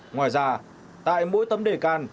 ngoài ra tại mỗi tấm đề can